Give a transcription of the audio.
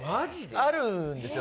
あるんですよ